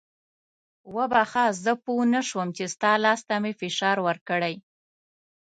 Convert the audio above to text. وبخښه زه پوه نه شوم چې ستا لاس ته مې فشار ورکړی.